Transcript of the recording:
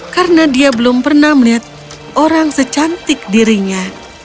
karena dia belum pernah melihat orang secantik dirinya